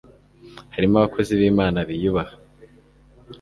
harimo abakozi b'Imana biyubaha